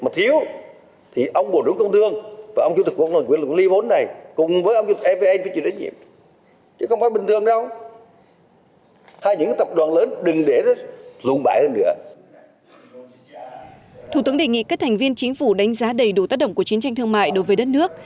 thủ tướng đề nghị các thành viên chính phủ đánh giá đầy đủ tác động của chiến tranh thương mại đối với đất nước